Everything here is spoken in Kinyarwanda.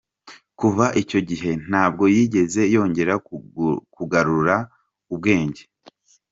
Kuva icyo gihe, ntabwo yigeze yongera kugarura ubwenge.